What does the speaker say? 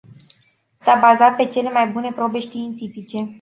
S-a bazat pe cele mai bune probe științifice.